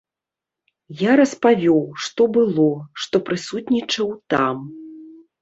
Я распавёў, што было, што прысутнічаў там.